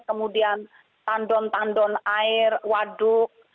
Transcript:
kemudian tandon tandon air waduk